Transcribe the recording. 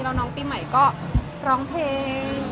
แล้วน้องน้องชายผีใหม่ก็ร้องเพลง